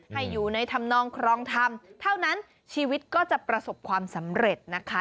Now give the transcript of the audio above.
ให้อยู่ในธรรมนองครองธรรมเท่านั้นชีวิตก็จะประสบความสำเร็จนะคะ